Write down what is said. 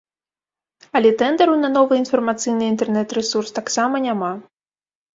Але тэндару на новы інфармацыйны інтэрнэт-рэсурс таксама няма.